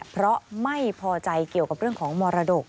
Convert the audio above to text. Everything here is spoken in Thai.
เพราะไม่พอใจเกี่ยวกับเรื่องของมรดก